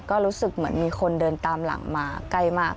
ก็รู้สึกเหมือนมีคนเดินตามหลังมาใกล้มาก